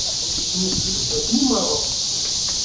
Ncedha-ken i meṛṛa.